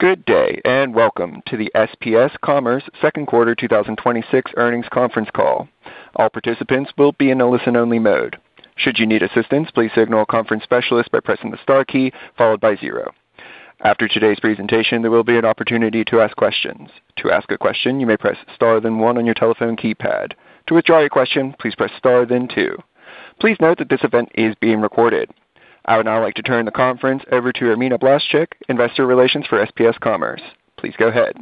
Good day, welcome to the SPS Commerce Second-Quarter 2026 Earnings Conference Call. All participants will be in a listen-only mode. Should you need assistance, please signal a conference specialist by pressing the star key followed by zero. After today's presentation, there will be an opportunity to ask questions. To ask a question, you may press star, then one on your telephone keypad. To withdraw your question, please press star, then two. Please note that this event is being recorded. I would now like to turn the conference over to Irmina Blaszczyk, investor relations for SPS Commerce. Please go ahead.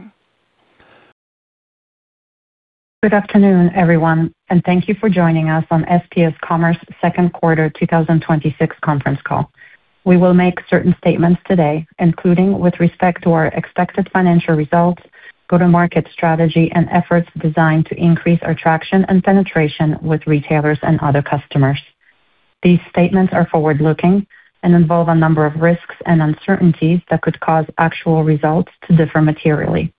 Good afternoon, everyone. thank you for joining us on the SPS Commerce second- quarter 2026 conference call. We will make certain statements today, including with respect to our expected financial results, go-to-market strategy, and efforts designed to increase our traction and penetration with retailers and other customers. These statements are forward-looking and involve a number of risks and uncertainties that could cause actual results to differ materially.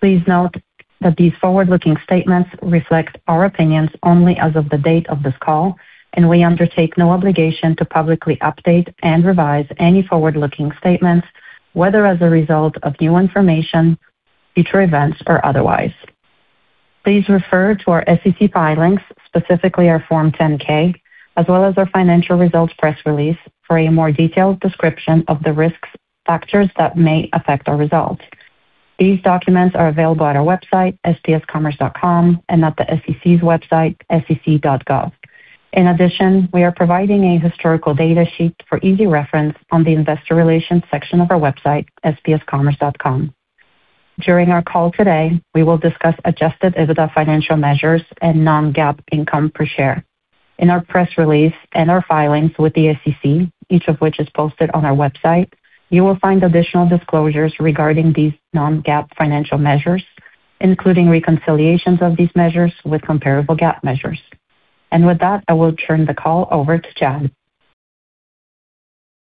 Please note that these forward-looking statements reflect our opinions only as of the date of this call, and we undertake no obligation to publicly update and revise any forward-looking statements, whether as a result of new information, future events, or otherwise. Please refer to our SEC filings, specifically our Form 10-K, as well as our financial results press release, for a more detailed description of the risk factors that may affect our results. These documents are available at our website, spscommerce.com, and at the SEC's website, sec.gov. In addition, we are providing a historical data sheet for easy reference on the investor relations section of our website, spscommerce.com. During our call today, we will discuss Adjusted EBITDA financial measures and non-GAAP income per share. In our press release and our filings with the SEC, each of which is posted on our website, you will find additional disclosures regarding these non-GAAP financial measures, including reconciliations of these measures with comparable GAAP measures. With that, I will turn the call over to Chad.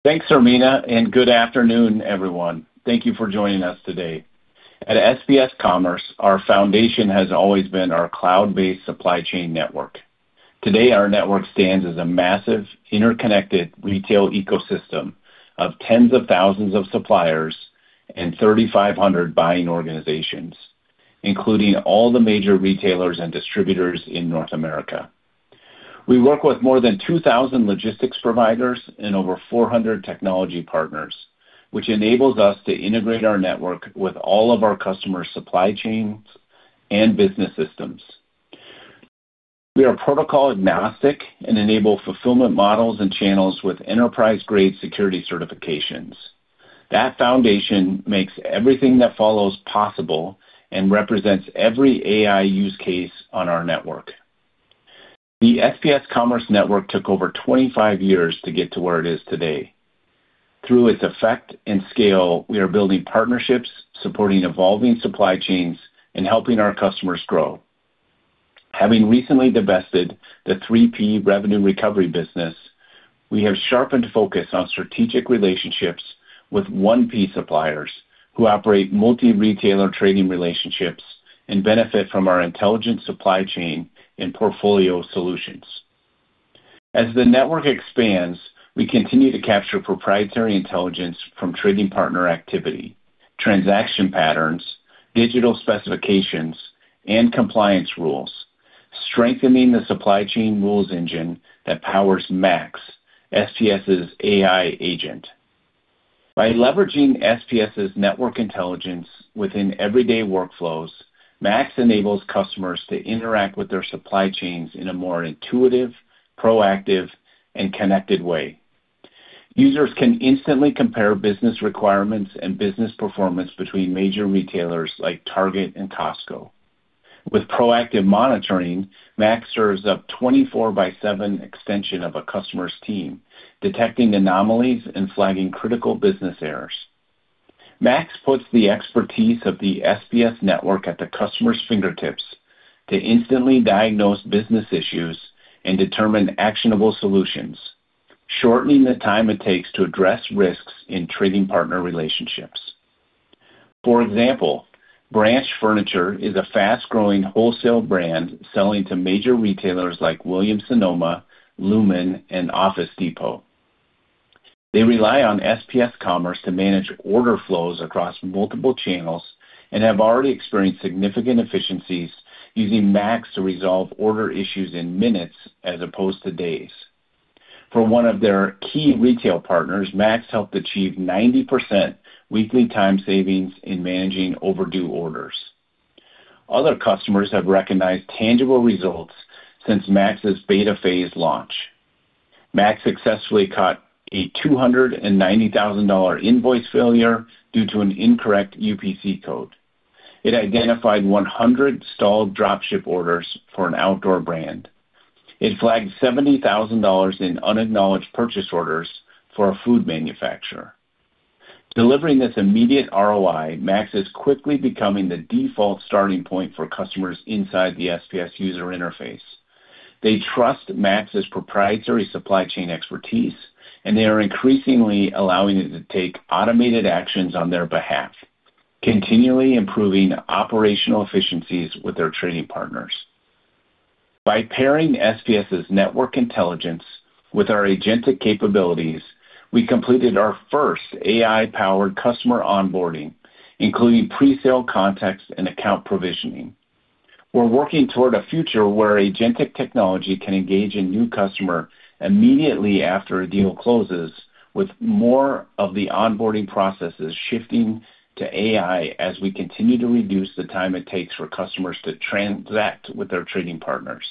Thanks, Irmina, good afternoon, everyone. Thank you for joining us today. At SPS Commerce, our foundation has always been our cloud-based supply chain network. Today, our network stands as a massive interconnected retail ecosystem of tens of thousands of suppliers and 3,500 buying organizations, including all the major retailers and distributors in North America. We work with more than 2,000 logistics providers and over 400 technology partners, which enables us to integrate our network with all of our customer supply chains and business systems. We are protocol-agnostic and enable Fulfillment models and channels with enterprise-grade security certifications. That foundation makes everything that follows possible and represents every AI use case on our network. The SPS Commerce Network took over 25 years to get to where it is today. Through its effect and scale, we are building partnerships, supporting evolving supply chains, and helping our customers grow. Having recently divested the 3P Revenue Recovery business, we have sharpened our focus on strategic relationships with 1P suppliers who operate multi-retailer trading relationships and benefit from our intelligent supply chain and portfolio solutions. As the network expands, we continue to capture proprietary intelligence from trading partner activity, transaction patterns, digital specifications, and compliance rules, strengthening the supply chain rules engine that powers MAX, SPS's AI agent. By leveraging SPS's network intelligence within everyday workflows, MAX enables customers to interact with their supply chains in a more intuitive, proactive, and connected way. Users can instantly compare business requirements and business performance between major retailers like Target and Costco. With proactive monitoring, MAX serves up 24/7 extension of a customer's team, detecting anomalies and flagging critical business errors. MAX puts the expertise of the SPS network at the customer's fingertips to instantly diagnose business issues and determine actionable solutions, shortening the time it takes to address risks in trading partner relationships. For example, Branch is a fast-growing wholesale brand selling to major retailers like Williams-Sonoma, Lumen, and Office Depot. They rely on SPS Commerce to manage order flows across multiple channels and have already experienced significant efficiencies using MAX to resolve order issues in minutes as opposed to days. For one of their key retail partners, MAX helped achieve 90% weekly time savings in managing overdue orders. Other customers have recognized tangible results since MAX's beta phase launch. MAX successfully caught a $290,000 invoice failure due to an incorrect UPC code. It identified 100 stalled drop-ship orders for an outdoor brand. It flagged $70,000 in unacknowledged purchase orders for a food manufacturer. Delivering this immediate ROI, MAX is quickly becoming the default starting point for customers inside the SPS user interface. They trust MAX's proprietary supply chain expertise, and they are increasingly allowing it to take automated actions on their behalf, continually improving operational efficiencies with their trading partners. By pairing SPS's network intelligence with our agentic capabilities, we completed our first AI-powered customer onboarding, including pre-sale contacts and account provisioning. We're working toward a future where agentic technology can engage a new customer immediately after a deal closes, with more of the onboarding processes shifting to AI as we continue to reduce the time it takes for customers to transact with their trading partners.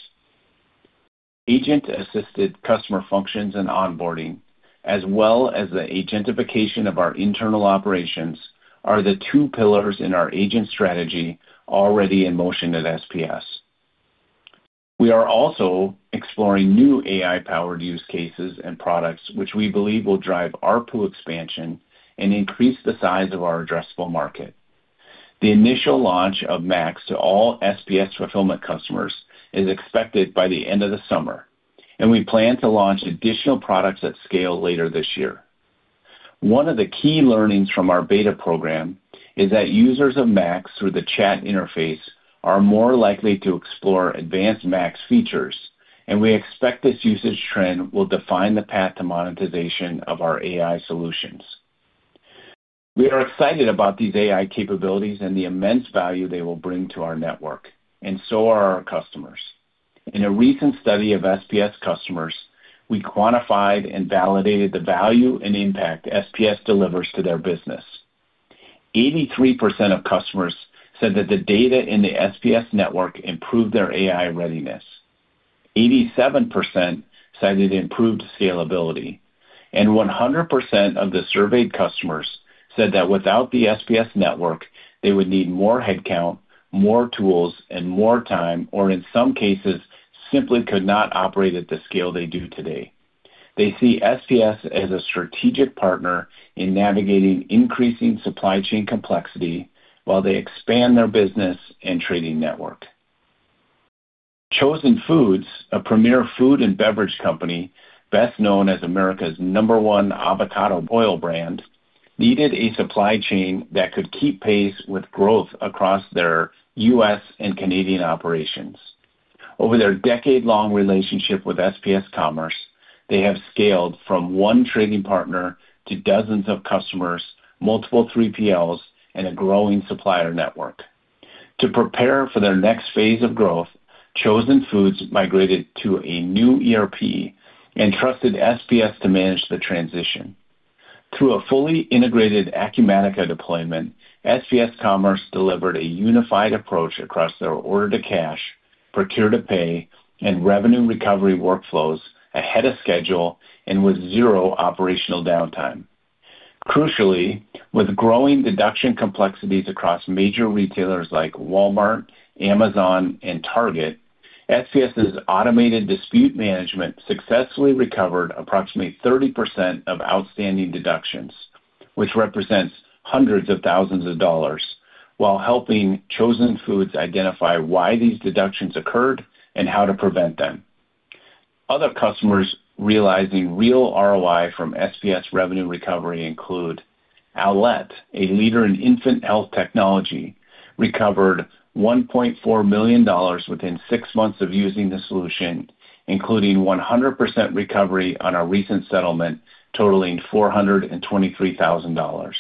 Agent-assisted customer functions and onboarding, as well as the agentification of our internal operations, are the two pillars in our agent strategy already in motion at SPS. We are also exploring new AI-powered use cases and products, which we believe will drive our pool expansion and increase the size of our addressable market. The initial launch of MAX to all SPS Fulfillment customers is expected by the end of the summer, and we plan to launch additional products at scale later this year. One of the key learnings from our beta program is that users of MAX through the chat interface are more likely to explore advanced MAX features, and we expect this usage trend will define the path to monetization of our AI solutions. We are excited about these AI capabilities and the immense value they will bring to our network, and so are our customers. In a recent study of SPS customers, we quantified and validated the value and impact SPS delivers to their business. 83% of customers said that the data in the SPS network improved their AI readiness. 87% cited improved scalability. 100% of the surveyed customers said that without the SPS network, they would need more headcount, more tools, and more time, or in some cases, simply could not operate at the scale they do today. They see SPS as a strategic partner in navigating increasing supply chain complexity while they expand their business and trading network. Chosen Foods, a premier food and beverage company best known as America's number one avocado oil brand, needed a supply chain that could keep pace with growth across their U.S. and Canadian operations. Over their decade-long relationship with SPS Commerce, they have scaled from one trading partner to dozens of customers, multiple 3PLs, and a growing supplier network. To prepare for their next phase of growth, Chosen Foods migrated to a new ERP and trusted SPS to manage the transition. Through a fully integrated Acumatica deployment, SPS Commerce delivered a unified approach across their order-to-cash, procure-to-pay, and Revenue Recovery workflows ahead of schedule and with zero operational downtime. Crucially, with growing deduction complexities across major retailers like Walmart, Amazon, and Target, SPS's automated dispute management successfully recovered approximately 30% of outstanding deductions, which represents hundreds of thousands of dollars, while helping Chosen Foods identify why these deductions occurred and how to prevent them. Other customers realizing real ROI from SPS Revenue Recovery include Owlet, a leader in infant health technology, which recovered $1.4 million within six months of using the solution, including 100% recovery on a recent settlement totaling $423,000.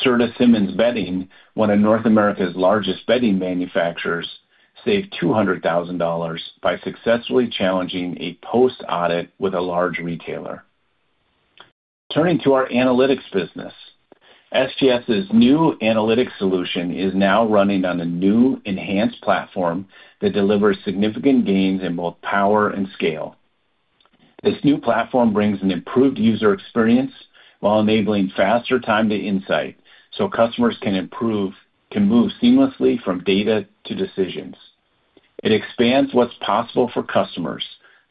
Serta Simmons Bedding, one of North America's largest bedding manufacturers, saved $200,000 by successfully challenging a post-audit with a large retailer. Turning to our Analytics business, SPS's new Analytics solution is now running on a new enhanced platform that delivers significant gains in both power and scale. This new platform brings an improved user experience while enabling faster time to insight. Customers can move seamlessly from data to decisions. It expands what's possible for customers,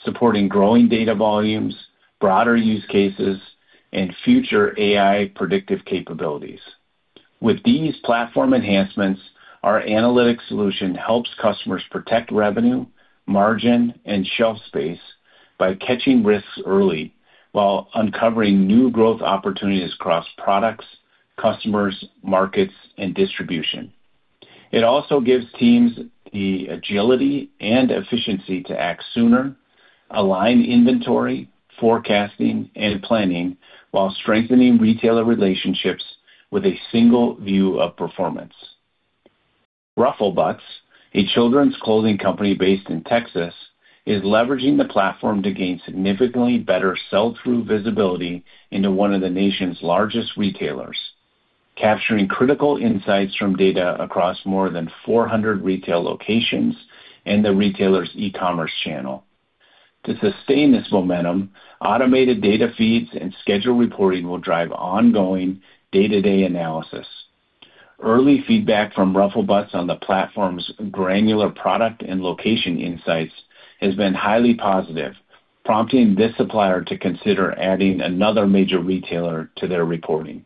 supporting growing data volumes, broader use cases, and future AI predictive capabilities. With these platform enhancements, our Analytics solution helps customers protect revenue, margin, and shelf space by catching risks early while uncovering new growth opportunities across products, customers, markets, and distribution. It also gives teams the agility and efficiency to act sooner and align inventory, forecasting, and planning while strengthening retailer relationships with a single view of performance. RuffleButts, a children's clothing company based in Texas, is leveraging the platform to gain significantly better sell-through visibility into one of the nation's largest retailers, capturing critical insights from data across more than 400 retail locations and the retailer's e-commerce channel. To sustain this momentum, automated data feeds and scheduled reporting will drive ongoing day-to-day analysis. Early feedback from RuffleButts on the platform's granular product and location insights has been highly positive, prompting this supplier to consider adding another major retailer to their reporting.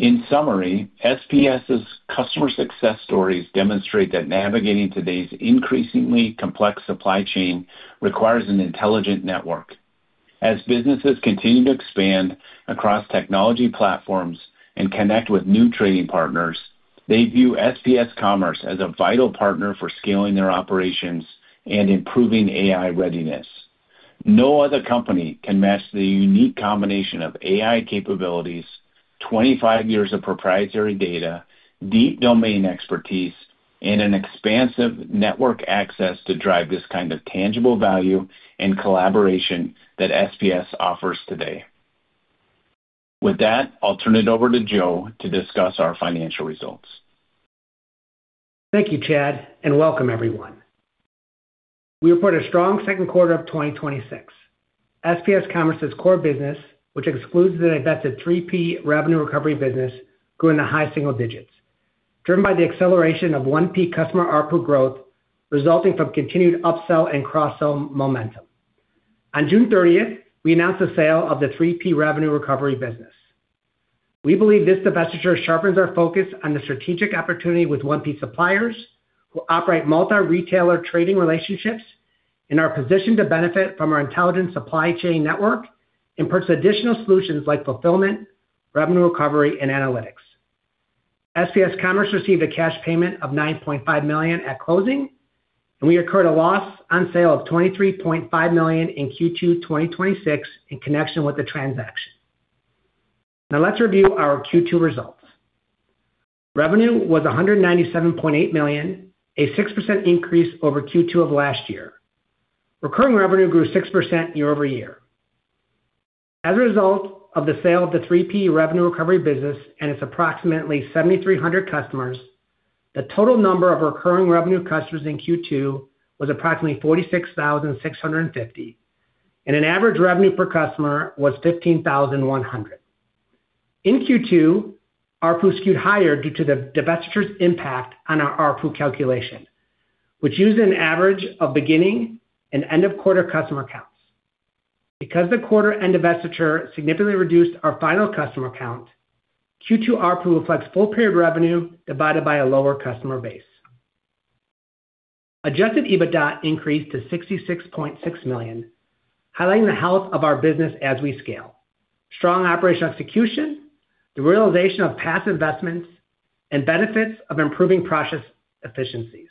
In summary, SPS's customer success stories demonstrate that navigating today's increasingly complex supply chain requires an intelligent network. As businesses continue to expand across technology platforms and connect with new trading partners, they view SPS Commerce as a vital partner for scaling their operations and improving AI readiness. No other company can match the unique combination of AI capabilities, 25 years of proprietary data, deep domain expertise, and an expansive network access to drive this kind of tangible value and collaboration that SPS offers today. With that, I'll turn it over to Joe to discuss our financial results. Thank you, Chad. Welcome, everyone. We report a strong second quarter of 2026. SPS Commerce's core business, which excludes the divested 3P Revenue Recovery business, grew in the high single digits, driven by the acceleration of 1P customer ARPU growth, resulting from continued upsell and cross-sell momentum. On June 30th, we announced the sale of the 3P Revenue Recovery business. We believe this divestiture sharpens our focus on the strategic opportunity with 1P suppliers, who operate multi-retailer trading relationships and are positioned to benefit from our intelligent supply chain network and purchase additional solutions like Fulfillment, Revenue Recovery, and Analytics. SPS Commerce received a cash payment of $9.5 million at closing, and we incurred a loss on the sale of $23.5 million in Q2 2026 in connection with the transaction. Let's review our Q2 results. Revenue was $197.8 million, a 6% increase over Q2 of last year. Recurring revenue grew 6% year-over-year. As a result of the sale of the 3P Revenue Recovery business and its approximately 7,300 customers, the total number of recurring revenue customers in Q2 was approximately 46,650, and an average revenue per customer was $15,100. In Q2, ARPU skewed higher due to the divestiture's impact on our ARPU calculation, which used an average of beginning- and end-of-quarter customer counts. Because the quarter-end divestiture significantly reduced our final customer count, Q2 ARPU reflects full-period revenue divided by a lower customer base. Adjusted EBITDA increased to $66.6 million, highlighting the health of our business as we scale, strong operational execution, the realization of past investments, and the benefits of improving process efficiencies.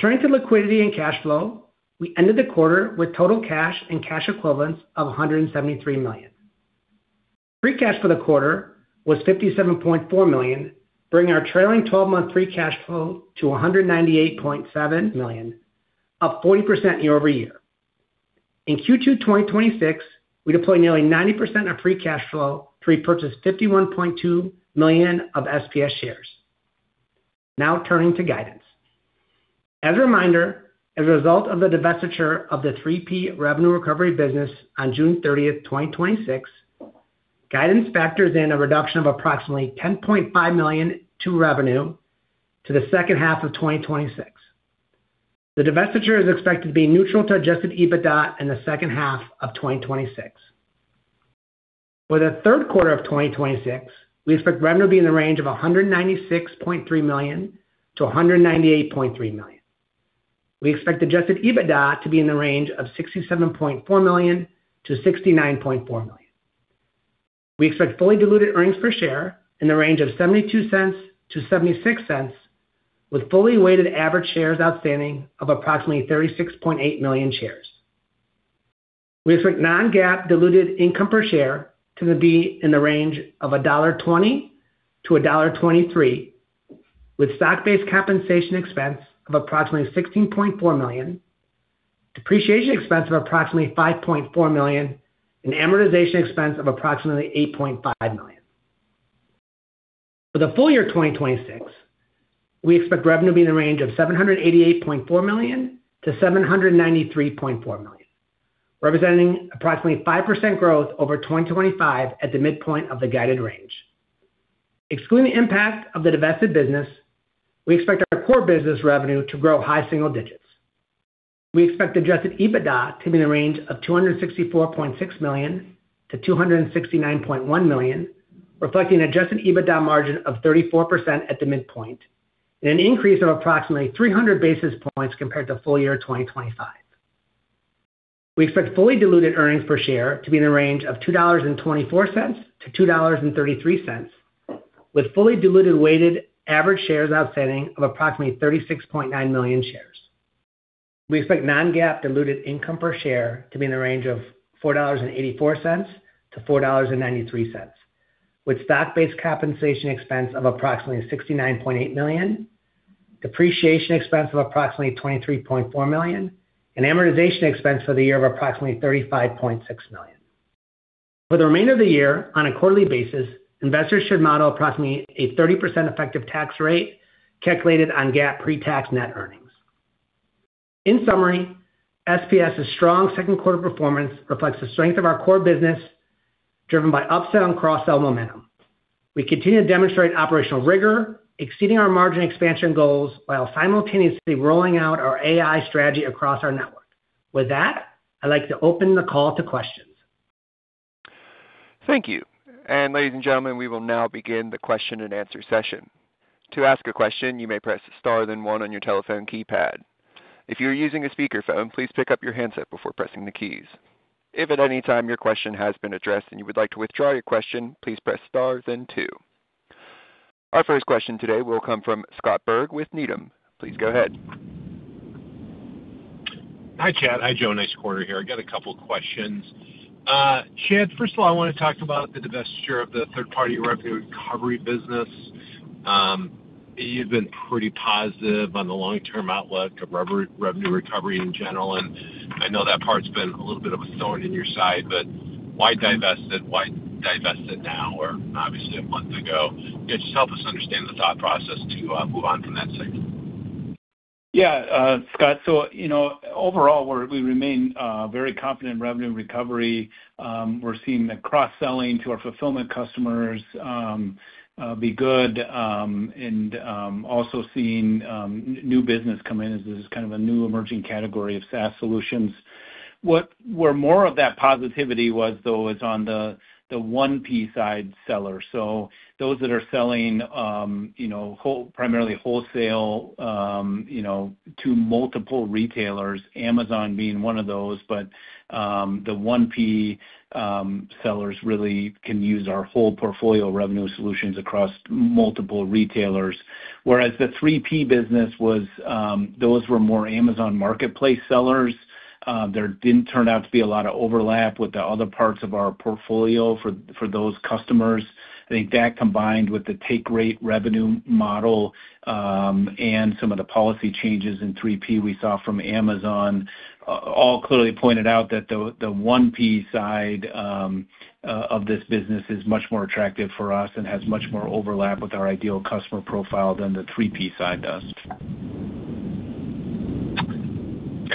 Turning to liquidity and cash flow, we ended the quarter with total cash and cash equivalents of $173 million. Free cash for the quarter was $57.4 million, bringing our trailing 12-month free cash flow to $198.7 million, up 40% year-over-year. In Q2 2026, we deployed nearly 90% of free cash flow to repurchase $51.2 million of SPS shares. Now turning to guidance. As a reminder, as a result of the divestiture of the 3P Revenue Recovery business on June 30th, 2026, guidance factors in a reduction of approximately $10.5 million to revenue to the second half of 2026. The divestiture is expected to be neutral to Adjusted EBITDA in the second half of 2026. For the third quarter of 2026, we expect revenue to be in the range of $196.3 million-$198.3 million. We expect Adjusted EBITDA to be in the range of $67.4 million-$69.4 million. We expect fully diluted earnings per share in the range of $0.72-$0.76, with fully weighted average shares outstanding of approximately 36.8 million shares. We expect non-GAAP diluted income per share to be in the range of $1.20-$1.23, with stock-based compensation expense of approximately $16.4 million, depreciation expense of approximately $5.4 million, and amortization expense of approximately $8.5 million. For the full year 2026, we expect revenue to be in the range of $788.4 million-$793.4 million, representing approximately 5% growth over 2025 at the midpoint of the guided range. Excluding the impact of the divested business, we expect our core business revenue to grow high single digits. We expect Adjusted EBITDA to be in the range of $264.6 million-$269.1 million, reflecting Adjusted EBITDA margin of 34% at the midpoint, and an increase of approximately 300 basis points compared to full year 2025. We expect fully diluted earnings per share to be in the range of $2.24-$2.33, with fully diluted weighted average shares outstanding of approximately 36.9 million shares. We expect non-GAAP diluted income per share to be in the range of $4.84-$4.93, with stock-based compensation expense of approximately $69.8 million, depreciation expense of approximately $23.4 million, and amortization expense for the year of approximately $35.6 million. For the remainder of the year, on a quarterly basis, investors should model approximately a 30% effective tax rate calculated on GAAP pre-tax net earnings. In summary, SPS's strong second quarter performance reflects the strength of our core business, driven by upsell and cross-sell momentum. We continue to demonstrate operational rigor, exceeding our margin expansion goals while simultaneously rolling out our AI strategy across our network. With that, I'd like to open the call to questions. Thank you. Ladies and gentlemen, we will now begin the question and answer session. To ask a question, you may press star then one on your telephone keypad. If you're using a speakerphone, please pick up your handset before pressing the keys. If at any time your question has been addressed and you would like to withdraw your question, please press star then two. Our first question today will come from Scott Berg with Needham. Please go ahead. Hi, Chad. Hi, Joe. Nice quarter here. I got a couple of questions. Chad, first of all, I want to talk about the divestiture of the 3P Revenue Recovery business. You've been pretty positive on the long-term outlook of Revenue Recovery in general, and I know that part's been a little bit of a thorn in your side, but why divest it? Why divest it now? Or, obviously, one month ago. Yeah, just help us understand the thought process to move on from that segment. Scott, overall, we remain very confident in Revenue Recovery. We're seeing the cross-selling to our Fulfillment customers be good, and also seeing new business come in, as this is kind of a new emerging category of SaaS solutions. Where more of that positivity was, though, is on the 1P-side seller. Those that are selling primarily wholesale, to multiple retailers, Amazon being one of those, but the 1P sellers really can use our whole portfolio of revenue solutions across multiple retailers. Whereas the 3P business was, those were more Amazon Marketplace sellers. There didn't turn out to be a lot of overlap with the other parts of our portfolio for those customers. I think that combined with the take rate revenue model, and some of the policy changes in 3P we saw from Amazon, all clearly pointed out that the 1P side of this business is much more attractive for us and has much more overlap with our ideal customer profile than the 3P side does.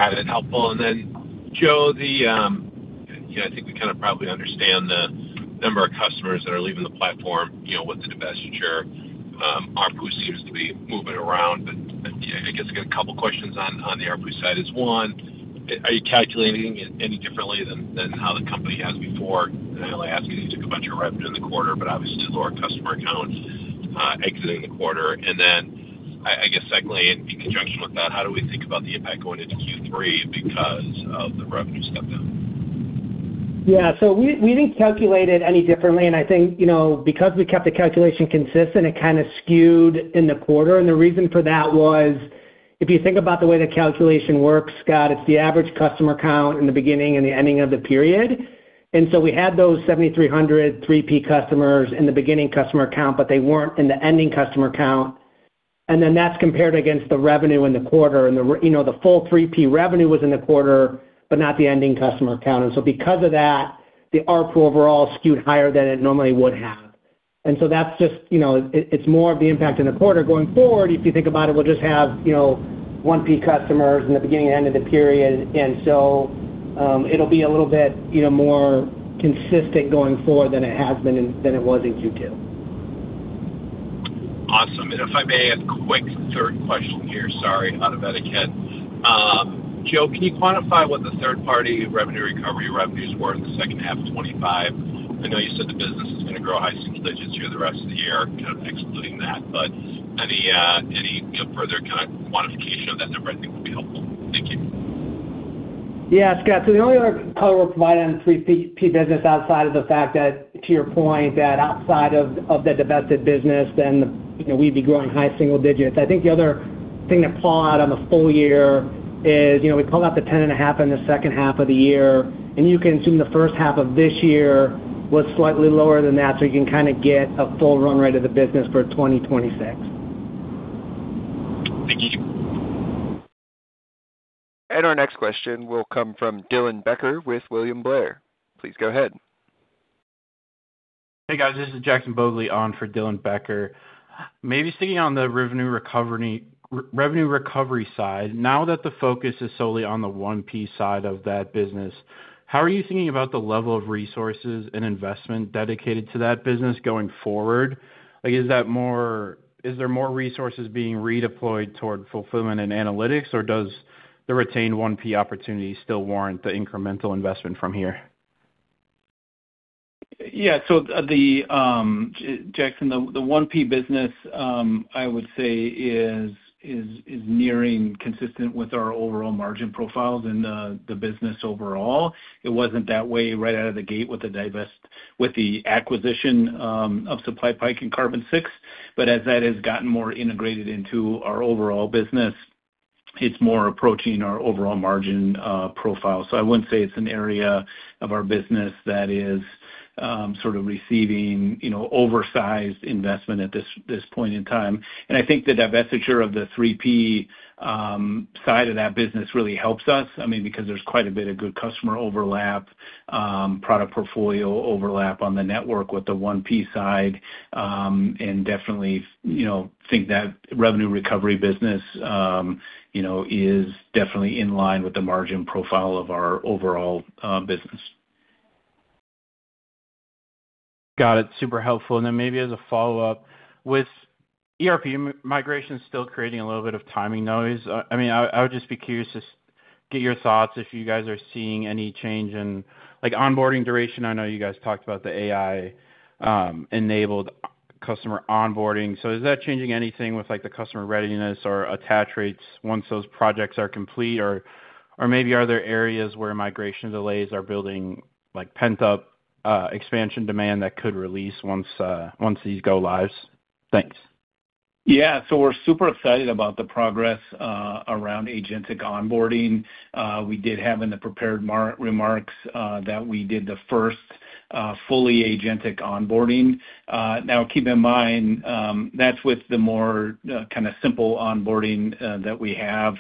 Got it. Helpful. Joe, I think we kind of probably understand the number of customers that are leaving the platform with the divestiture. ARPU seems to be moving around, but I guess two questions on the ARPU side are, one, are you calculating it any differently than how the company has before? And I only ask because you took a bunch of revenue in the quarter, but obviously there are lower customer counts exiting the quarter. Secondly, and in conjunction with that, how do we think about the impact going into Q3 because of the revenue step down? Yeah. We didn't calculate it any differently, I think because we kept the calculation consistent, it kind of skewed in the quarter. The reason for that was, if you think about the way the calculation works, Scott, it's the average customer count in the beginning and the ending of the period. We had those 7,300 3P customers in the beginning customer count, they weren't in the ending customer count. That's compared against the revenue in the quarter and the full 3P revenue was in the quarter, but not the ending customer count. Because of that, the ARPU overall skewed higher than it normally would have. It's more of the impact in the quarter. Going forward, if you think about it, we'll just have 1P customers in the beginning and end of the period; it'll be a little bit more consistent going forward than it was in Q2. Awesome. If I may, a quick third question here. Sorry, out of etiquette. Joe, can you quantify what the third-party Revenue Recovery revenues were in the second half of 2025? I know you said the business is going to grow high single digits here the rest of the year. I kind of exclude that. any further kind of quantification of that number, I think, would be helpful. Thank you. Yeah, Scott. The only other color we provided on the 3P business is outside of the fact that, to your point, outside of the divested business, we'd be growing high single digits. I think the other thing to call out on the full year is we called out the 10 and a half in the second half of the year; you can assume the first half of this year was slightly lower than that. You can kind of get a full run rate of the business for 2026. Thank you. Our next question will come from Dylan Becker with William Blair. Please go. Hey, guys. This is Jackson Bodley on for Dylan Becker. Maybe sticking on the Revenue Recovery side, now that the focus is solely on the 1P side of that business, how are you thinking about the level of resources and investment dedicated to that business going forward? Is there more resources being redeployed toward Fulfillment and Analytics, or does the retained 1P opportunity still warrant the incremental investment from here? Yeah. Jackson, the 1P business, I would say is nearing consistent with our overall margin profiles in the business overall. It wasn't that way right out of the gate with the acquisition of SupplyPike and Carbon6. As that has gotten more integrated into our overall business, it's more approaching our overall margin profile. I wouldn't say it's an area of our business that is sort of receiving oversized investment at this point in time. I think the divestiture of the 3P side of that business really helps us. I mean, because there's quite a bit of good customer overlap and product portfolio overlap on the network with the 1P side. Definitely think that the Revenue Recovery business is definitely in line with the margin profile of our overall business. Got it. Super helpful. Maybe as a follow-up, with ERP migration still creating a little bit of timing noise, I would just be curious. Get your thoughts if you guys are seeing any change in onboarding duration. I know you guys talked about the AI-enabled customer onboarding. Is that changing anything with the customer readiness or attach rates once those projects are complete? Maybe there are areas where migration delays are building pent-up expansion demand that could release once these go live? Thanks. Yeah. We're super excited about the progress around agentic onboarding. We did have in the prepared remarks that we did the first fully agentic onboarding. Keep in mind that's with the more kind of simple onboarding that we have.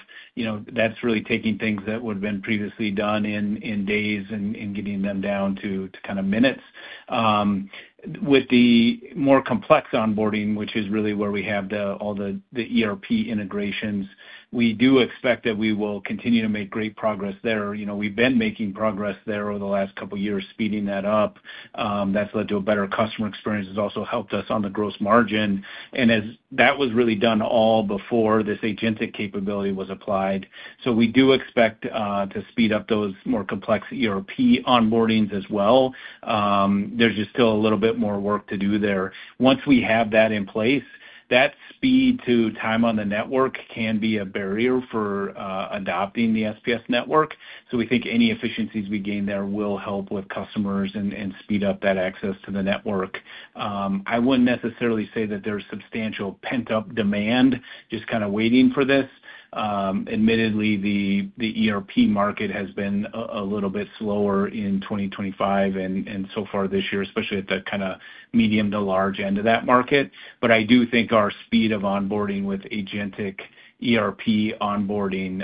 That's really taking things that would've been previously done in days and getting them down to minutes. With the more complex onboarding, which is really where we have all the ERP integrations, we do expect that we will continue to make great progress there. We've been making progress there over the last couple of years, speeding that up. That's led to a better customer experience. It's also helped us on the gross margin. As that was really done all before this, the agentic capability was applied. We do expect to speed up those more complex ERP onboardings as well. There's just still a little bit more work to do there. Once we have that in place, that speed-to-time on the network can be a barrier for adopting the SPS network. We think any efficiencies we gain there will help with customers and speed up that access to the network. I wouldn't necessarily say that there's substantial pent-up demand just kind of waiting for this. Admittedly, the ERP market has been a little bit slower in 2025 and so far this year, especially at the medium- to large-end of that market. I do think our speed of onboarding with agentic ERP onboarding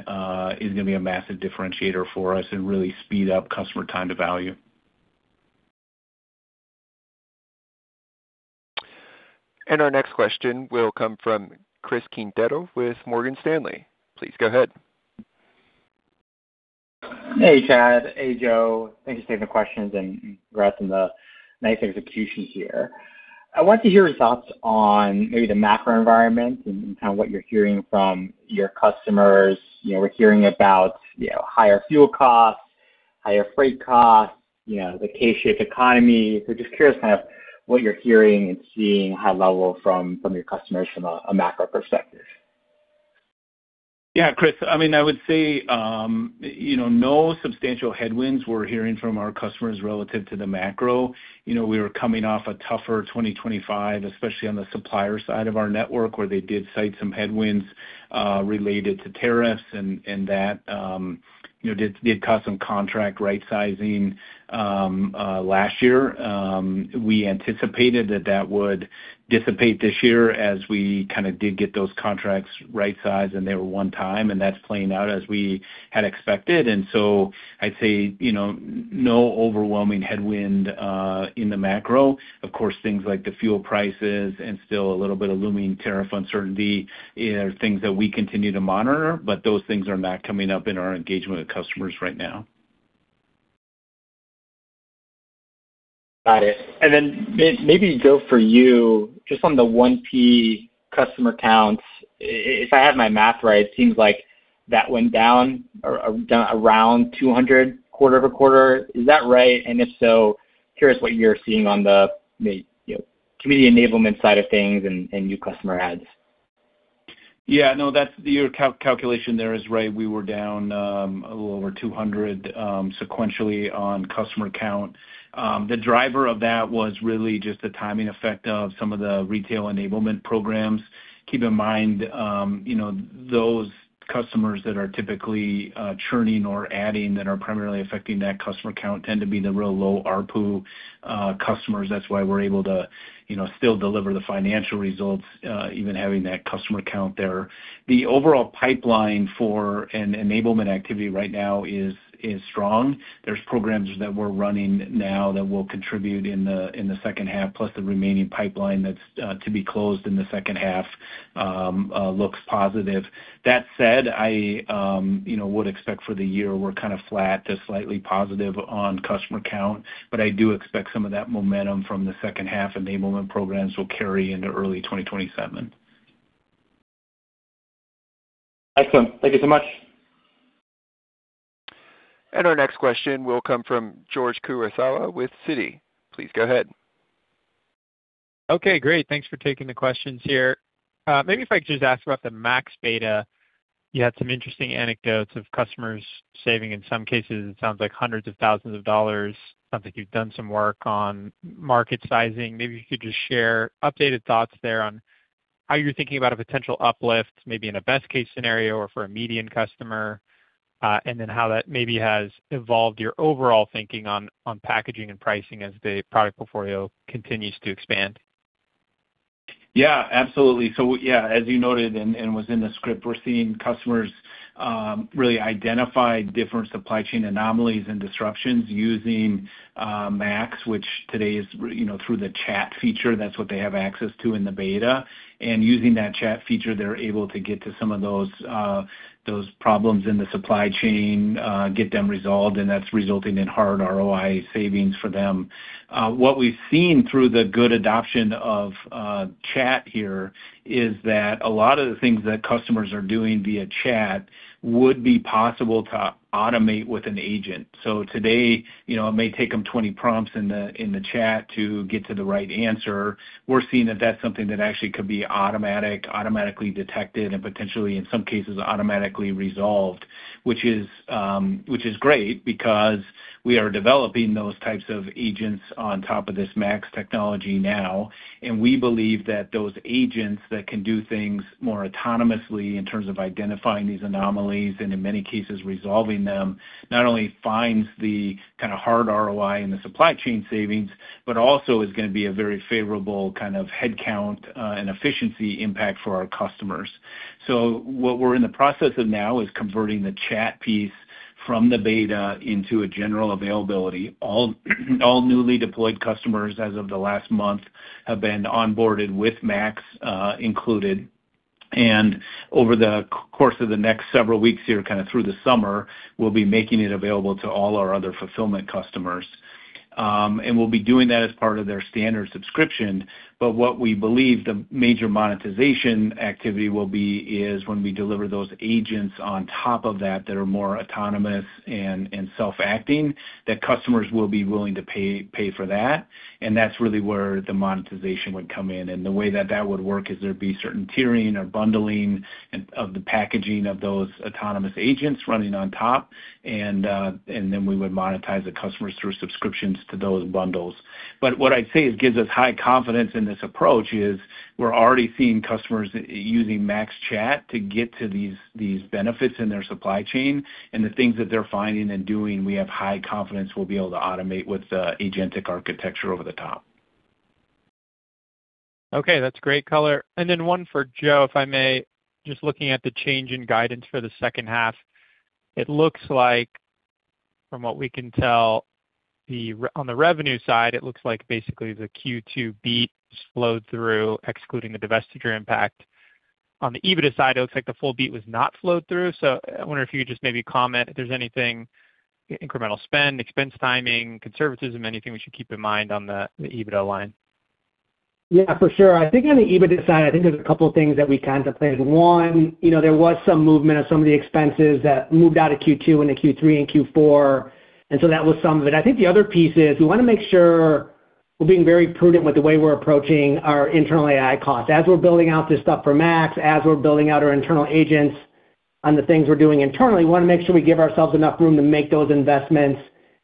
is going to be a massive differentiator for us and really speed up customer time to value. Our next question will come from Chris Quintero with Morgan Stanley. Please go ahead. Hey, Chad. Hey, Joe. Thank you for taking the questions, and congrats on the nice executions here. I want to hear your thoughts on maybe the macro environment and kind of what you're hearing from your customers. We're hearing about higher fuel costs, higher freight costs, and the K-shaped economy. Just curious, kind of what you're hearing and seeing high-level from your customers from a macro perspective. Yeah, Chris. I would say no substantial headwinds we're hearing from our customers relative to the macro. We were coming off a tougher 2025, especially on the supplier side of our network, where they did cite some headwinds related to tariffs, and that did cause some contract right-sizing last year. We anticipated that that would dissipate this year, as we kind of did get those contracts right-sized, and they were one-time, and that's playing out as we had expected. I'd say, no overwhelming headwind in the macro. Of course, things like the fuel prices and still a little bit of looming tariff uncertainty are things that we continue to monitor, but those things are not coming up in our engagement with customers right now. Got it. Then maybe, Joe, for you, just on the 1P customer counts, if I have my math right, it seems like that went down around 200 quarter-over-quarter. Is that right? If so, I'm curious what you're seeing on the community enablement side of things and new customer adds. No, your calculation there is right. We were down a little over 200 sequentially on customer count. The driver of that was really just the timing effect of some of the retail enablement programs. Keep in mind, those customers that are typically churning or adding that are primarily affecting that customer count tend to be the real low-ARPU customers. That's why we're able to still deliver the financial results, even having that customer count there. The overall pipeline for an enablement activity right now is strong. There are programs that we're running now that will contribute in the second half, plus the remaining pipeline that's to be closed in the second half looks positive. That said, I would expect for the year we're kind of flat to slightly positive on customer count, I do expect some of that momentum from the second half enablement programs will carry into early 2027. Excellent. Thank you so much. Our next question will come from George Kurosawa with Citi. Please go ahead. Okay, great. Thanks for taking the questions here. Maybe if I could just ask about the MAX beta. You had some interesting anecdotes of customers saving, in some cases, it sounds like hundreds of thousands of dollars. Sounds like you've done some work on market sizing. Maybe you could just share updated thoughts there on how you're thinking about a potential uplift, maybe in a best-case scenario or for a median customer, and then how that maybe has evolved your overall thinking on packaging and pricing as the product portfolio continues to expand. Yeah, absolutely. As you noted and were in the script, we're seeing customers really identify different supply chain anomalies and disruptions using MAX, which today is through the MAX Chat feature. That's what they have access to in the beta. Using that MAX Chat feature, they're able to get to some of those problems in the supply chain and get them resolved, and that's resulting in hard ROI savings for them. What we've seen through the good adoption of MAX Chat here is that a lot of the things that customers are doing via MAX Chat would be possible to automate with an agent. Today, it may take them 20 prompts in the MAX Chat to get to the right answer. We're seeing that that's something that actually could be automatic, automatically detected, and potentially, in some cases, automatically resolved. We are developing those types of agents on top of this MAX technology now. We believe that those agents that can do things more autonomously in terms of identifying these anomalies, and in many cases resolving them, not only finds the kind of hard ROI in the supply chain savings, but also is going to be a very favorable kind of head count and efficiency impact for our customers. What we're in the process of now is converting the MAX Chat piece from the beta into a general availability. All newly deployed customers as of the last month have been onboarded with MAX included. Over the course of the next several weeks here, kind of through the summer, we'll be making it available to all our other Fulfillment customers. We'll be doing that as part of their standard subscription. What we believe the major monetization activity will be is when we deliver those agents on top of that who are more autonomous and self-acting, that customers will be willing to pay for that. That's really where the monetization would come in. The way that that would work is there'd be certain tiering or bundling of the packaging of those autonomous agents running on top. We would monetize the customers through subscriptions to those bundles. What I'd say gives us high confidence in this approach is we're already seeing customers using MAX Chat to get to these benefits in their supply chain. The things that they're finding and doing, we have high confidence we'll be able to automate with the agentic architecture over the top. Okay. That's great color. One for Joe, if I may. Just looking at the change in guidance for the second half. It looks like, from what we can tell on the revenue side, it looks like basically the Q2 beat just flowed through, excluding the divestiture impact. On the EBITDA side, it looks like the full beat was not flowed through. I wonder if you could just maybe comment if there's anything, incremental spend, expense timing, conservatism, or anything we should keep in mind on the EBITDA line. Yeah, for sure. I think on the EBITDA side, I think there are a couple things that we contemplated. One, there was some movement of some of the expenses that moved out of Q2 into Q3 and Q4. That was some of it. I think the other piece is we want to make sure we're being very prudent with the way we're approaching our internal AI costs. As we're building out this stuff for MAX, as we're building out our internal agents on the things we're doing internally, we want to make sure we give ourselves enough room to make those investments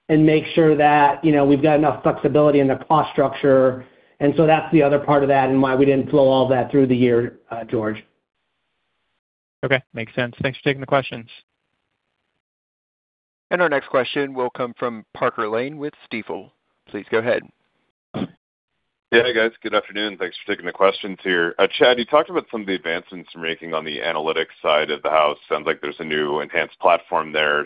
and make sure that we've got enough flexibility in the cost structure. That's the other part of that and why we didn't flow all that through the year, George. Okay. Makes sense. Thanks for taking the questions. Our next question will come from Parker Lane with Stifel. Please go ahead. Yeah. Hey, guys. Good afternoon. Thanks for taking the questions here. Chad, you talked about some of the advancements you're making on the Analytics side of the house. Sounds like there's a new enhanced platform there.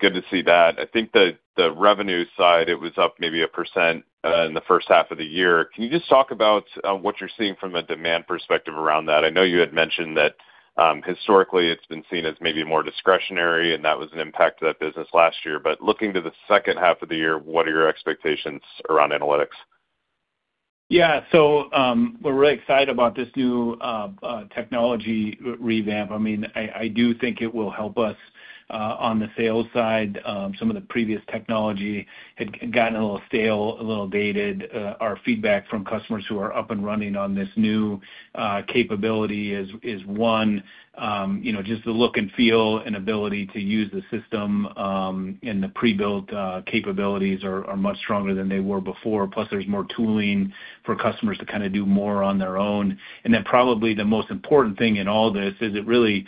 Good to see that. I think the revenue side was up maybe 1% in the first half of the year. Can you just talk about what you're seeing from a demand perspective around that? I know you had mentioned that historically it's been seen as maybe more discretionary, and that was an impact to that business last year. Looking to the second half of the year, what are your expectations around Analytics? Yeah. We're really excited about this new technology revamp. I do think it will help us on the sales side. Some of the previous technology had gotten a little stale, a little dated. Our feedback from customers who are up and running on this new capability is, one, just the look and feel and ability to use the system, and the pre-built capabilities are much stronger than they were before. Plus, there's more tooling for customers to kind of do more on their own. Probably the most important thing in all this is it really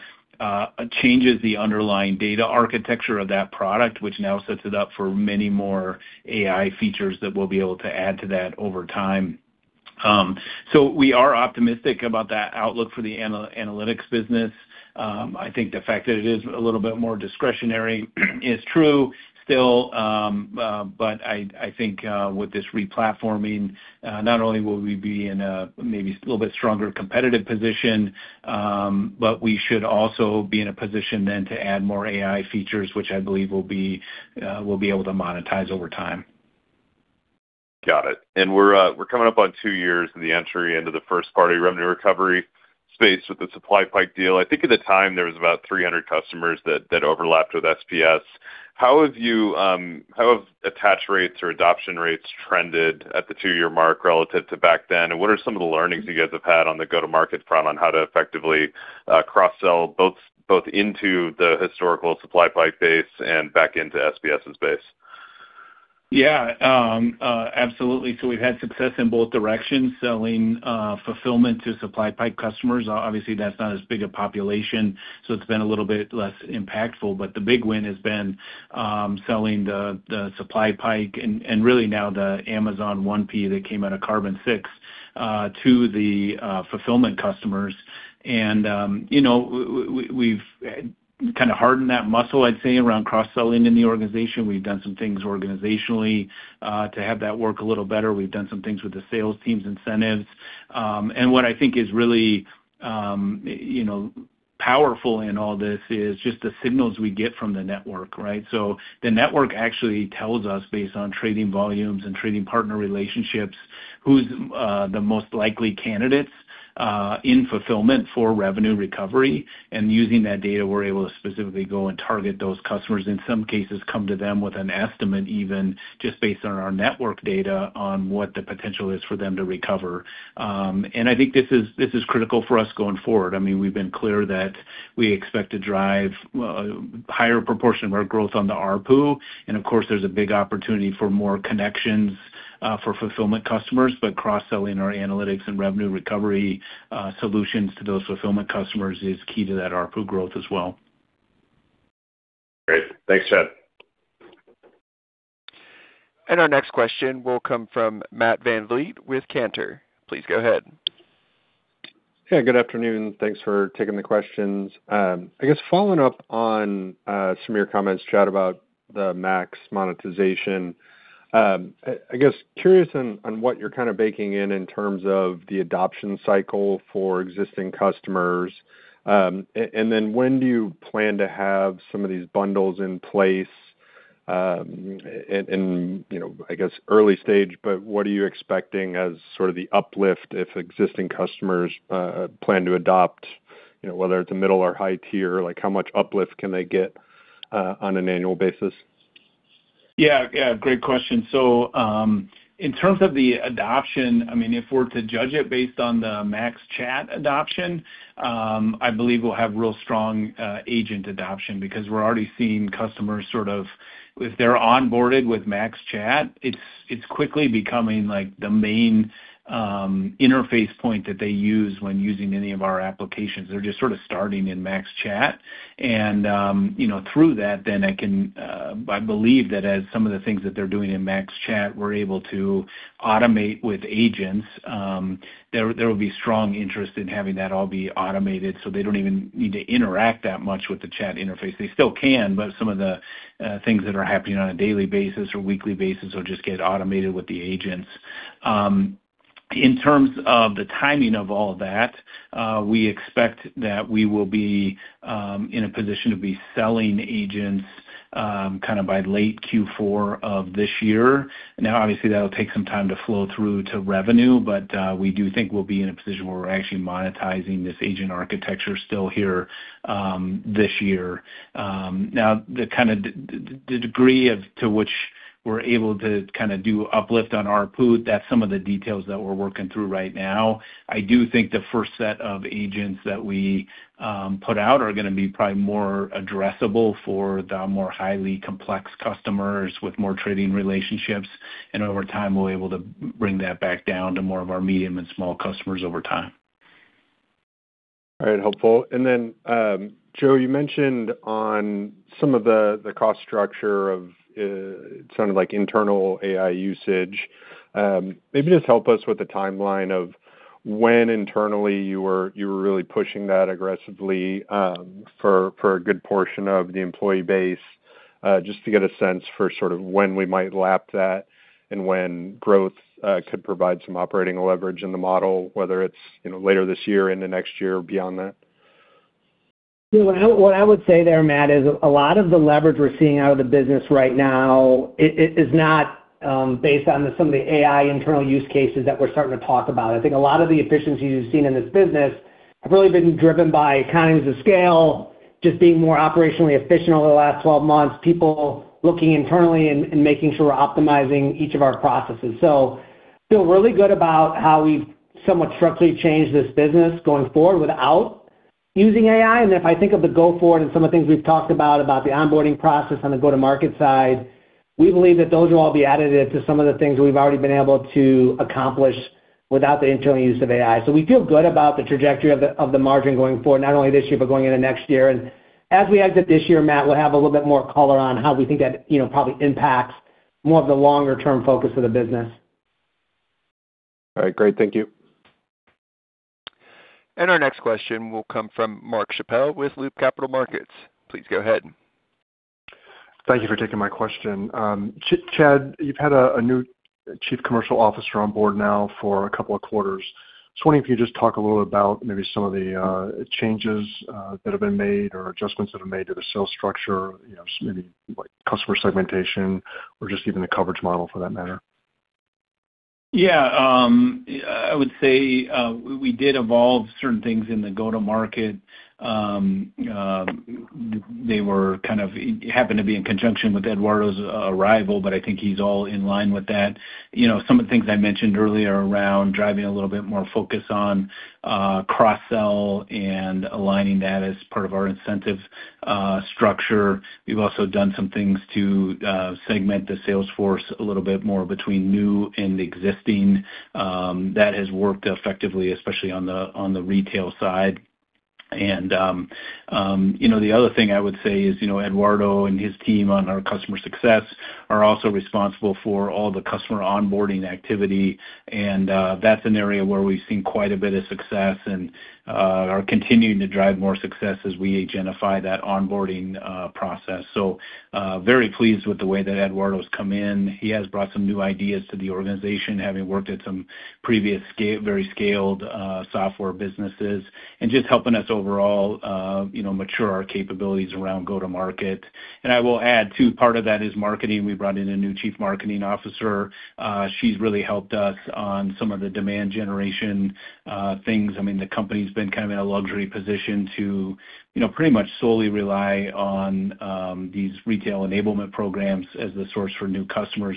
changes the underlying data architecture of that product, which now sets it up for many more AI features that we'll be able to add to that over time. We are optimistic about that outlook for the Analytics business. I think the fact that it is a little bit more discretionary is true still. I think with this re-platforming, not only will we be in a maybe a little bit stronger competitive position, but we should also be in a position then to add more AI features, which I believe we'll be able to monetize over time. Got it. We're coming up on two years in the entry into the first-party Revenue Recovery space with the SupplyPike deal. I think at the time, there were about 300 customers that overlapped with SPS. How have attach rates or adoption rates trended at the two-year mark relative to back then? What are some of the learnings you guys have had on the go-to-market front on how to effectively cross-sell both into the historical SupplyPike base and back into SPS's base? Yeah. Absolutely. We've had success in both directions, selling Fulfillment to SupplyPike customers. Obviously, that's not as big a population, so it's been a little bit less impactful. The big win has been selling the SupplyPike, and really now the Amazon 1P that came out of Carbon6, to the Fulfillment customers. We've kind of hardened that muscle, I'd say, around cross-selling in the organization. We've done some things organizationally to have that work a little better. We've done some things with the sales teams' incentives. What I think is really powerful in all this is just the signals we get from the network, right? The network actually tells us, based on trading volumes and trading partner relationships, who the most likely candidates in Fulfillment for Revenue Recovery are. Using that data, we're able to specifically go and target those customers, in some cases, come to them with an estimate, even just based on our network data on what the potential is for them to recover. I think this is critical for us going forward. We've been clear that we expect to drive a higher proportion of our growth on the ARPU. Of course, there's a big opportunity for more connections for Fulfillment customers. Cross-selling our Analytics and Revenue Recovery solutions to those Fulfillment customers is key to that ARPU growth as well. Great. Thanks, Chad. Our next question will come from Matt VanVliet with Cantor. Please go ahead. Yeah, good afternoon. Thanks for taking the questions. I guess following up on some of your comments, Chad, about the MAX monetization. I guess I'm curious on what you're kind of baking in terms of the adoption cycle for existing customers. When do you plan to have some of these bundles in place? I guess early stage, but what are you expecting as sort of the uplift if existing customers plan to adopt whether it's a middle or high tier? How much uplift can they get on an annual basis? Yeah. Great question. In terms of the adoption, if we're to judge it based on the MAX Chat adoption, I believe we'll have real strong agent adoption because we're already seeing customers sort of, if they're onboarded with MAX Chat, it's quickly becoming the main interface point that they use when using any of our applications. They're just sort of starting in MAX Chat. I believe that as some of the things that they're doing in MAX Chat, we're able to automate with agents. There will be strong interest in having that all be automated, so they don't even need to interact that much with the chat interface. They still can, but some of the things that are happening on a daily basis or weekly basis will just get automated with the agents. In terms of the timing of all that, we expect that we will be in a position to be selling agents by late Q4 of this year. Obviously, that'll take some time to flow through to revenue, but we do think we'll be in a position where we're actually monetizing this agent architecture still here this year. The degree to which we're able to do uplift on ARPU, that's some of the details that we're working through right now. I do think the first set of agents that we put out are going to be probably more addressable for the more highly complex customers with more trading relationships. Over time, we'll be able to bring that back down to more of our medium and small customers over time. All right. Helpful. Joe, you mentioned some of the cost structure; it sounded like internal AI usage. Maybe just help us with the timeline of when internally you were really pushing that aggressively for a good portion of the employee base. Just to get a sense of sort of when we might lapse that and when growth could provide some operating leverage in the model, whether it's later this year, into next year, or beyond that. What I would say there, Matt, is a lot of the leverage we're seeing out of the business right now is not based on some of the AI internal use cases that we're starting to talk about. I think a lot of the efficiencies you've seen in this business have really been driven by economies of scale, just being more operationally efficient over the last 12 months, people looking internally and making sure we're optimizing each of our processes. Feel really good about how we've somewhat structurally changed this business going forward without using AI. If I think of the go forward and some of the things we've talked about the onboarding process on the go-to-market side, we believe that those will all be additive to some of the things we've already been able to accomplish without the internal use of AI. We feel good about the trajectory of the margin going forward, not only this year but also going into next year. As we exit this year, Matt, we'll have a little bit more color on how we think that probably impacts more of the longer-term focus of the business. All right. Great. Thank you. Our next question will come from Mark Schappel with Loop Capital Markets. Please go ahead. Thank you for taking my question. Chad, you've had a new Chief Commercial Officer on board now for a couple of quarters. Wondering if you could just talk a little bit about maybe some of the changes that have been made, or adjustments that have been made to the sales structure, maybe customer segmentation, or just even the coverage model for that matter. I would say, we did evolve certain things in the go-to market. They happened to be in conjunction with Eduardo's arrival; I think he's all in line with that. Some of the things I mentioned earlier are around driving a little bit more focus on cross-sell and aligning that as part of our incentive structure. We've also done some things to segment the sales force a little bit more between new and existing. That has worked effectively, especially on the retail side. The other thing I would say is, Eduardo and his team on our customer success are also responsible for all the customer onboarding activity, and that's an area where we've seen quite a bit of success and are continuing to drive more success as we agentify that onboarding process. Very pleased with the way that Eduardo's come in. He has brought some new ideas to the organization, having worked at some previous, very scaled software businesses, just helping us overall mature our capabilities around go-to-market. I will add, too, part of that is marketing. We brought in a new Chief Marketing Officer. She's really helped us on some of the demand generation things. The company's been in a luxury position to pretty much solely rely on these retail enablement programs as the source for new customers.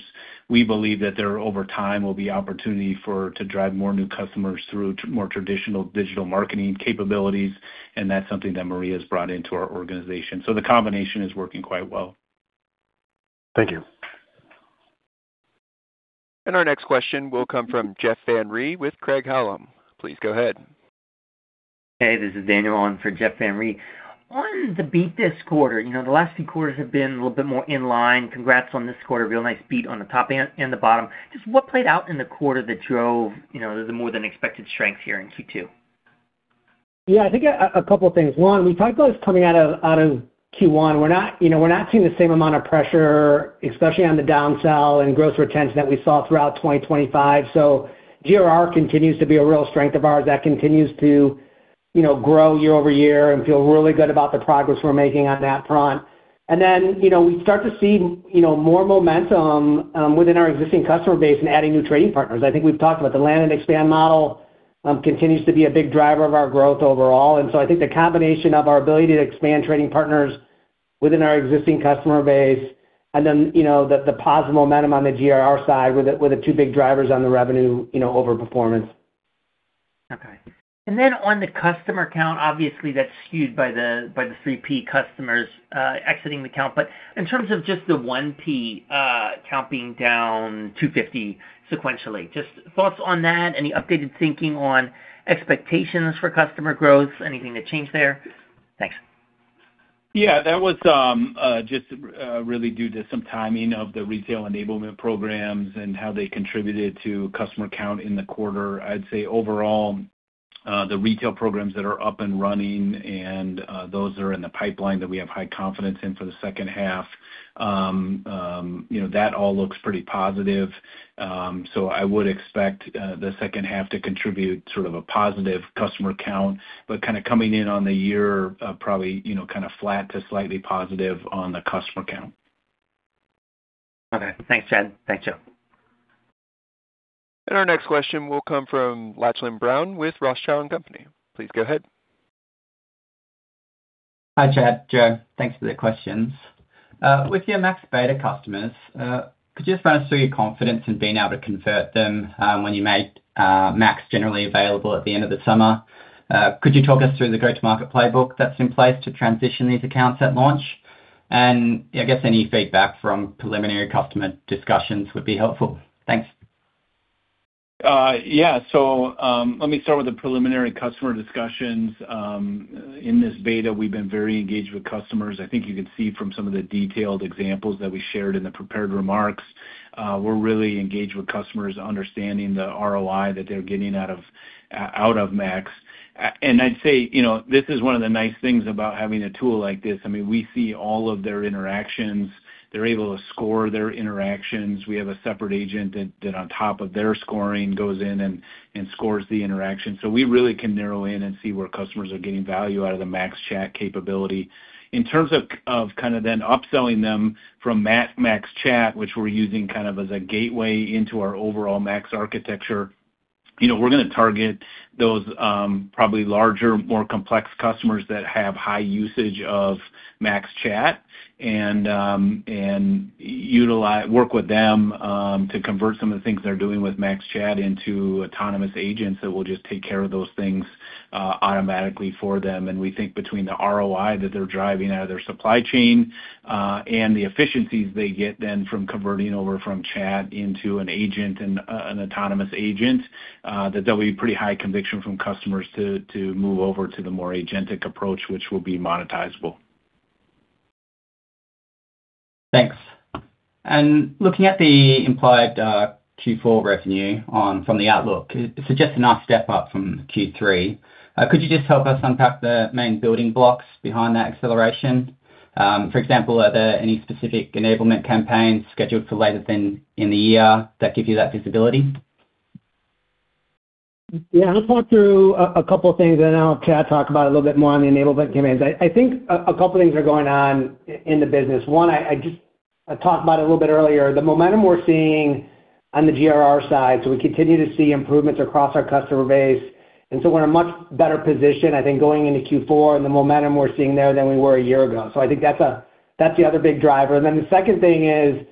We believe that there, over time, will be an opportunity to drive more new customers through more traditional digital marketing capabilities; that's something that Maria's brought into our organization. The combination is working quite well. Thank you. Our next question will come from Jeff Van Rhee with Craig-Hallum. Please go ahead. Hey, this is Daniel on for Jeff Van Rhee. On the beat this quarter, the last few quarters have been a little bit more in line. Congrats on this quarter. Real nice beat on the top and the bottom. Just what played out in the quarter that drove the more than expected strength here in Q2? Yeah, I think a couple of things. One, we talked about coming out of Q1. We're not seeing the same amount of pressure, especially on the downsell and gross retention that we saw throughout 2025. GRR continues to be a real strength of ours that continues to grow year-over-year, and we feel really good about the progress we're making on that front. We start to see more momentum within our existing customer base and adding new trading partners. I think we've talked about the land, and the expand model continues to be a big driver of our growth overall. I think the combination of our ability to expand trading partners within our existing customer base and the positive momentum on the GRR side were the two big drivers on the revenue over performance. Okay. On the customer count, obviously that's skewed by the 3P customers exiting the count. But in terms of just the 1P count being down 250 sequentially, just thoughts on that? Any updated thinking on expectations for customer growth? Anything that changed there? Thanks. Yeah, that was just really due to some timing of the retail enablement programs and how they contributed to customer count in the quarter. I would say overall, the retail programs that are up and running and those that are in the pipeline that we have high confidence in for the second half all look pretty positive. I would expect the second half to contribute sort of a positive customer count, but it's kind of coming in on the year, probably flat to slightly positive on the customer count. Okay. Thanks, Chad. Thanks, Joe. Our next question will come from Lachlan Brown with Rothschild & Co. Please go ahead. Hi, Chad and Joe. Thanks for the questions. With your MAX beta customers, could you just run us through your confidence in being able to convert them when you make MAX generally available at the end of the summer? Could you talk us through the go-to-market playbook that's in place to transition these accounts at launch? I guess any feedback from preliminary customer discussions would be helpful. Thanks. Yeah. Let me start with the preliminary customer discussions. In this beta, we've been very engaged with customers. I think you can see from some of the detailed examples that we shared in the prepared remarks that we're really engaged with customers understanding the ROI that they're getting out of MAX. I'd say, this is one of the nice things about having a tool like this. We see all of their interactions. They're able to score their interactions. We have a separate agent that, on top of their scoring, goes in and scores the interaction. We really can narrow in and see where customers are getting value out of the MAX Chat capability. In terms of then upselling them from MAX Chat, which we're using as a gateway into our overall MAX architecture, we're going to target those probably larger, more complex customers that have high usage of MAX Chat and work with them to convert some of the things they're doing with MAX Chat into autonomous agents that will just take care of those things automatically for them. We think between the ROI that they're driving out of their supply chain, and the efficiencies they get then from converting over from chat into an agent and an autonomous agent, that there'll be pretty high conviction from customers to move over to the more agentic approach, which will be monetizable. Thanks. Looking at the implied Q4 revenue from the outlook, it suggests a nice step up from Q3. Could you just help us unpack the main building blocks behind that acceleration? For example, are there any specific enablement campaigns scheduled for later in the year that give you that visibility? Yeah. I'll talk through a couple of things, and then I'll have Chad talk about a little bit more on the enablement campaigns. I think a couple of things are going on in the business. One, I talked about it a little bit earlier, the momentum we're seeing on the GRR side. We continue to see improvements across our customer base. We're in a much better position, I think, going into Q4 and the momentum we're seeing there than we were a year ago. I think that's the other big driver. The second thing is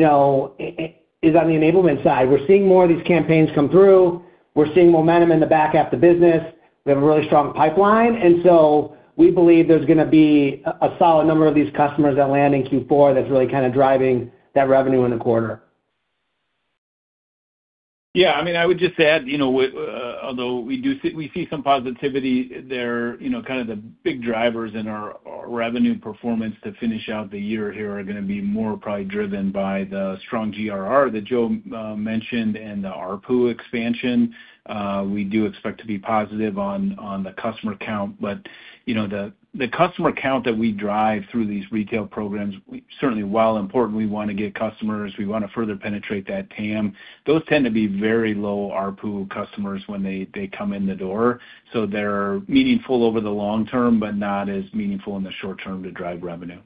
on the enablement side. We're seeing more of these campaigns come through. We're seeing momentum in the back half of the business. We have a really strong pipeline; we believe there's going to be a solid number of these customers that land in Q4 that's really kind of driving that revenue in the quarter. Yeah, I would just add, although we see some positivity there, kind of the big drivers in our revenue performance to finish out the year here are going to be more probably driven by the strong GRR that Joe mentioned and the ARPU expansion. We do expect to be positive on the customer count, but the customer count that we drive through these retail programs is certainly, while important, what we want to get customers; we want to further penetrate that TAM. Those tend to be very low ARPU customers when they come in the door, so they're meaningful over the long term but not as meaningful in the short term to drive revenue.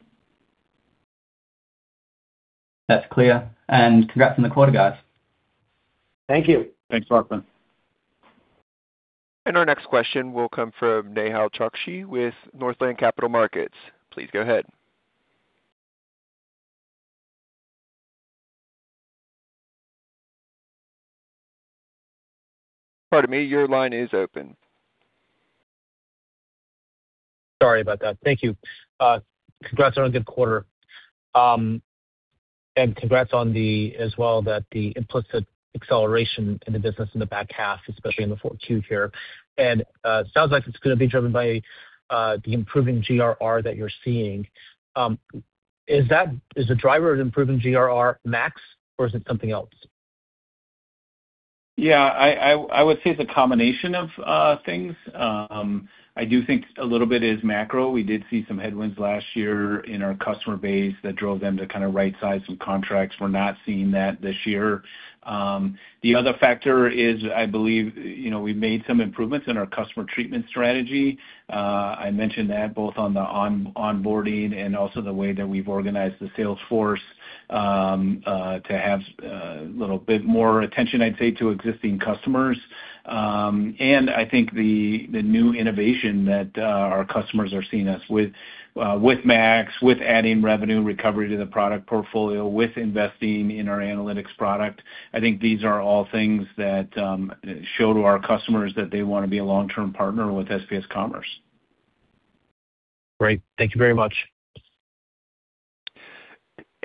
That's clear. congrats on the quarter, guys. Thank you. Thanks, Lachlan. Our next question will come from Nehal Chokshi with Northland Capital Markets. Please go ahead. Pardon me, your line is open. Sorry about that. Thank you. Congrats on a good quarter. Congrats as well on the implicit acceleration in the business in the back half, especially in the 4Q here. Sounds like it's going to be driven by the improving GRR that you're seeing. Is the driver of improving GRR MAX, or is it something else? Yeah, I would say it's a combination of things. I do think a little bit is macro. We did see some headwinds last year in our customer base that drove them to kind of right-size some contracts. We're not seeing that this year. The other factor is, I believe, we made some improvements in our customer treatment strategy. I mentioned that both on the onboarding and also the way that we've organized the sales force to have a little bit more attention, I'd say, to existing customers. I think the new innovation is that our customers are seeing us with MAX, with adding Revenue Recovery to the product portfolio, and with investing in our Analytics product. I think these are all things that show to our customers that they want to be a long-term partner with SPS Commerce. Great. Thank you very much.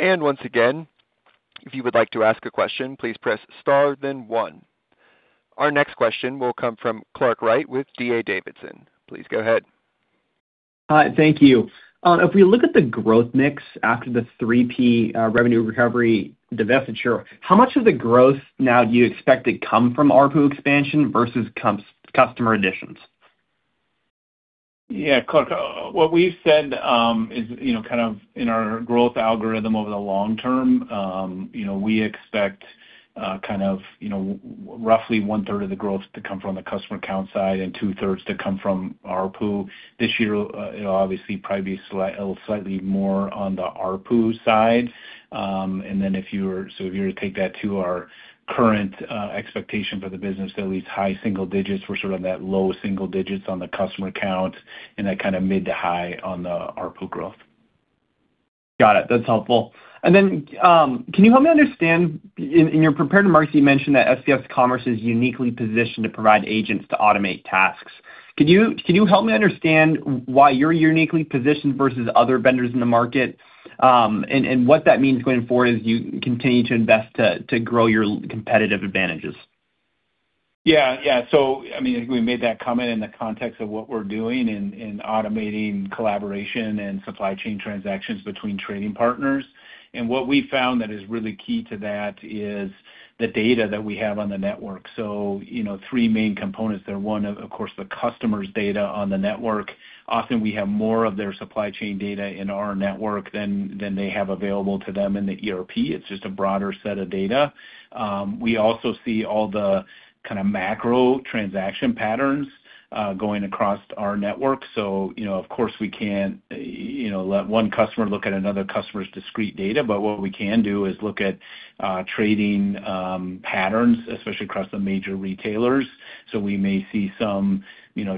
Once again, if you would like to ask a question, please press star then one. Our next question will come from Clark Wright with D.A. Davidson. Please go ahead. Hi, thank you. If we look at the growth mix after the 3P Revenue Recovery divestiture, how much of the growth now do you expect to come from ARPU expansion versus customer additions? Yeah, Clark, what we've said is kind of in our growth algorithm over the long term. We expect kind of roughly one-third of the growth to come from the customer count side and two-thirds to come from ARPU. This year, it'll obviously probably be slightly more on the ARPU side than if you were to take that to our current expectation for the business, at least high single digits. We're sort of in that low single digits on the customer count and that kind of mid- to high on the ARPU growth. Got it. That's helpful. Then, can you help me understand, in your prepared remarks, you mentioned that SPS Commerce is uniquely positioned to provide agents to automate tasks. Can you help me understand why you're uniquely positioned versus other vendors in the market and what that means going forward as you continue to invest to grow your competitive advantages? We made that comment in the context of what we're doing in automating collaboration and supply chain transactions between trading partners. What we've found that is really key to that is the data that we have on the network. Three main components there. One, of course, is the customer's data on the network. Often, we have more of their supply chain data in our network than they have available to them in the ERP. It's just a broader set of data. We also see all the kinds of macro transaction patterns going across our network. Of course, we can't let one customer look at another customer's discrete data, but what we can do is look at trading patterns, especially across the major retailers. We may see some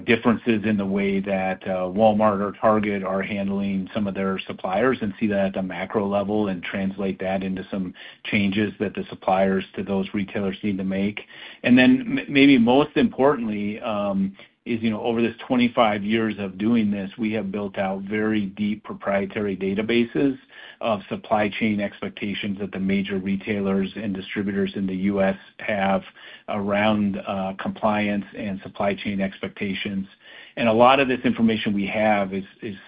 differences in the way that Walmart or Target are handling some of their suppliers and see that at the macro level and translate that into some changes that the suppliers to those retailers need to make. Maybe most importantly is that over these 25 years of doing this, we have built out very deep proprietary databases of supply chain expectations that the major retailers and distributors in the U.S. have around compliance and supply chain expectations. A lot of this information we have is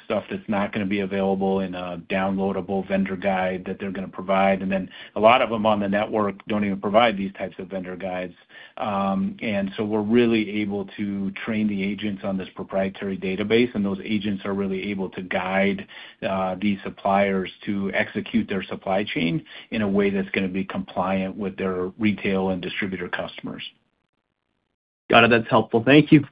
stuff that's not going to be available in a downloadable vendor guide that they're going to provide. A lot of them on the network don't even provide these types of vendor guides. We're really able to train the agents on this proprietary database, and those agents are really able to guide these suppliers to execute their supply chain in a way that's going to be compliant with their retail and distributor customers. Got it. That's helpful. Thank you.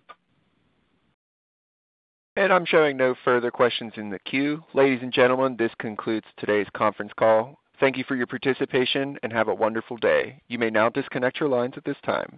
I'm showing no further questions in the queue. Ladies and gentlemen, this concludes today's conference call. Thank you for your participation, and have a wonderful day. You may now disconnect your lines at this time.